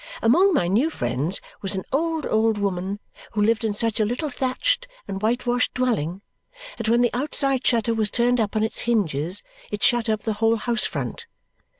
Among my new friends was an old old woman who lived in such a little thatched and whitewashed dwelling that when the outside shutter was turned up on its hinges, it shut up the whole house front.